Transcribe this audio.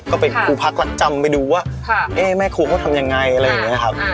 ก็เป็นครูพักแล้วจำไปดูว่าแม่ครูเขาทำยังไงอะไรอย่างนี้ครับ